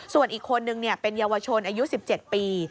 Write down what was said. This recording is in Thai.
ส่วนอีกคนนึงเป็นเยาวชนอายุ๑๗ปี